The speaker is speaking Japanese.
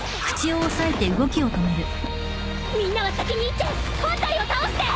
みんなは先に行って本体を倒して！